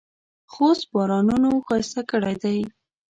خوست بارانونو ښایسته کړی دی.